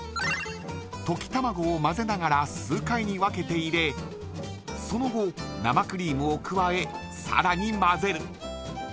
溶き卵を混ぜながら数回に分けて入れその後、生クリームを加えさらに混ぜる。